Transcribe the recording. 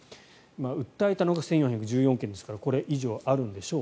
訴えたのが１４１４件ですからこれ以上あるんでしょう。